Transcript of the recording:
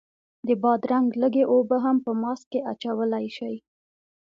د بادرنګ لږې اوبه هم په ماسک کې اچولی شئ.